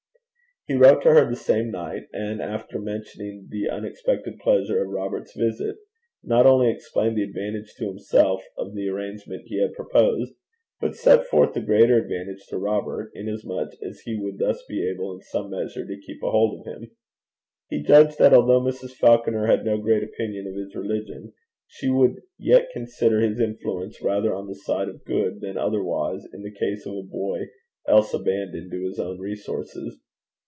He wrote to her the same night, and after mentioning the unexpected pleasure of Robert's visit, not only explained the advantage to himself of the arrangement he had proposed, but set forth the greater advantage to Robert, inasmuch as he would thus be able in some measure to keep a hold of him. He judged that although Mrs. Falconer had no great opinion of his religion, she would yet consider his influence rather on the side of good than otherwise in the case of a boy else abandoned to his own resources.